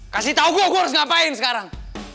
kasih tau gue harus ngapain sekarang